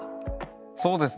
そうですね。